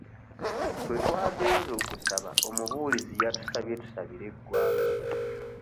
Bwe twagenze okusaba omubuulizi yatusabye tusabire eggwanga